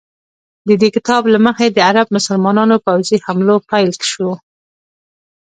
د دې کتاب له مخې د عرب مسلمانانو پوځي حملو پیل شو.